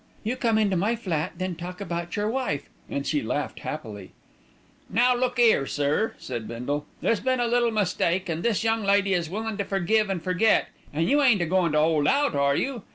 "You come into my flat, then talk about your wife," and she laughed happily. "Now look 'ere, sir," said Bindle, "there's been a little mistake, an' this young lady is willin' to forgive an' forget, an' you ain't a goin' to 'old out, are you?